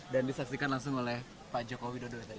dan disaksikan langsung oleh pak jokowi dodo ya